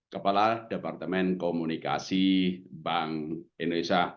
kepala departemen komunikasi bank indonesia